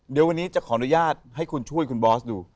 เดี๋ยววันนี้จะขออนุญาตให้คุณช่วยคุณบอสดู